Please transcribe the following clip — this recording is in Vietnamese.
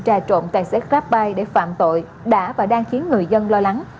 trà trộn tài xế grabbuy để phạm tội đã và đang khiến người dân lo lắng